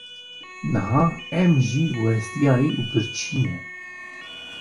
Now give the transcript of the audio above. Niha em jî westiyayî û birçî ne.